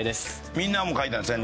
みんなも描いたんですね？